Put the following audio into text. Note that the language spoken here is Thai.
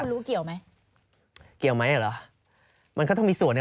แล้วสิคุณรู้เกี่ยวไหมเกี่ยวไหมหรอมันก็ต้องมีส่วนนะครับ